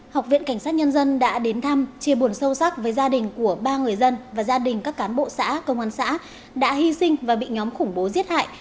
học viện cảnh sát nhân dân đã đến thăm chia buồn sâu sắc với gia đình của ba người dân và gia đình các cán bộ xã công an xã đã hy sinh và bị nhóm khủng bố giết hại